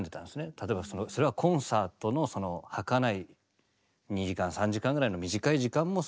例えばそれはコンサートのそのはかない２時間３時間ぐらいの短い時間も奇跡のような時間だし。